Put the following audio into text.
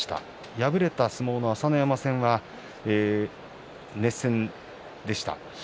敗れた相撲の朝乃山戦は熱戦でした。